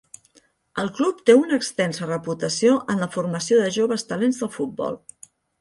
El club té una extensa reputació en la formació de joves talents del futbol.